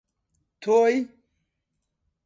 تۆی: